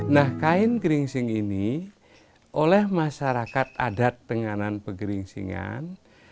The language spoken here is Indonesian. nah kain geringsing ini oleh masyarakat adat tengganan pegering singan